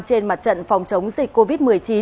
trên mặt trận phòng chống dịch covid một mươi chín